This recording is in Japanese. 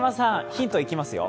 ヒントいきますよ。